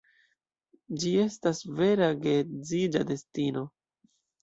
Ĝi estas vera geedziĝa destino.